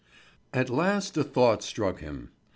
At last a thought struck him.